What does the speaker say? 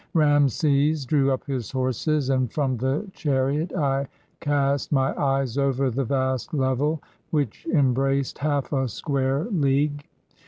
Rameses drew up his horses, and from the chariot I cast my eyes over the vast level, which embraced half a square league.